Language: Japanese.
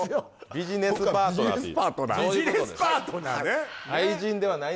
ビジネスパートナーねはい